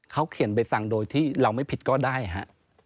เขาเขียนไปฟังโดยที่เราไม่ผิดก็ได้ฮะ